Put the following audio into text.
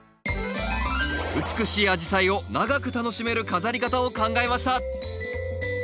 美しいアジサイを長く楽しめる飾り方を考えました！